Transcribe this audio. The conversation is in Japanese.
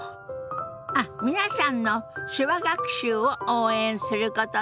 あっ皆さんの手話学習を応援することです！